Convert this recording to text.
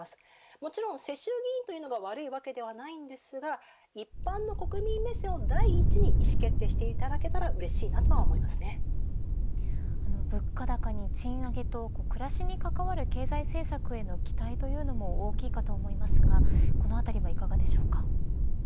もちろん世襲議員というのが悪いわけではないですが一般の国民目線を第一に意思決定してもらえたら物価高に賃上げと暮らしに関わる経済政策への期待というのも大きいかと思いますがこのあたりはいかがでしょうか。